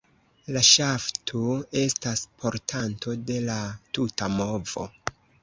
La ŝafto estas portanto de la tuta movo.